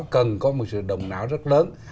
cần có một sự động não rất lớn